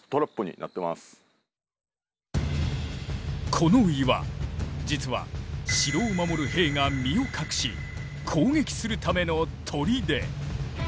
この岩実は城を守る兵が身を隠し攻撃するための砦。